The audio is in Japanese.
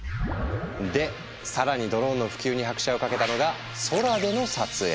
で更にドローンの普及に拍車をかけたのが空での撮影。